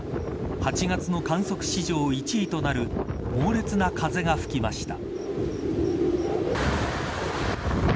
８月の観測史上１位となる猛烈な風が吹きました。